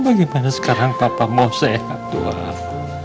bagaimana sekarang papa mau sehat tuhan